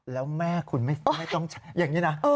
แล้วแม่คุณไม่ต้องใช้อย่างนี้นะ